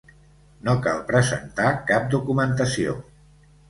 No cal presentar cap documentació.